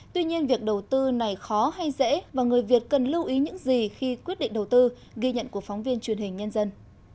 tuy nhiên việc đầu tư này khó hay dễ và người việt cần lưu ý những gì khi quyết định đầu tư ghi nhận của phóng viên truyền hình nhân dân